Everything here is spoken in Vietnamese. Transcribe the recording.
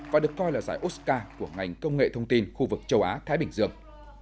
và được coi là giải oscar của ngành công nghệ thông tin khu vực châu á thái bình dương